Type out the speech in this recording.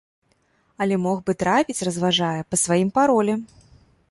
Але мог бы трапіць, разважае, па сваім паролі.